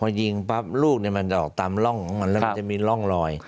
พอยิงปั๊บลูกมันจะออกตามร่องของมันแล้วมันจะมีร่องรอย